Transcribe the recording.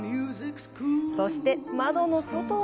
そして、窓の外は。